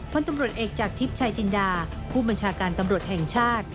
พลตำรวจเอกจากทิพย์ชายจินดาผู้บัญชาการตำรวจแห่งชาติ